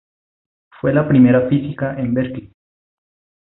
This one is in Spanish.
Fue la primera física en Berkeley.